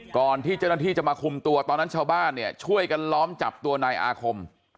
ก่อนที่เจ้าหน้าที่จะมาคุมตัวตอนนั้นชาวบ้านเนี่ยช่วยกันล้อมจับตัวนายอาคม